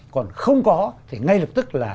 còn không có thì ngay lập tức